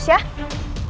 ini adalah kematianku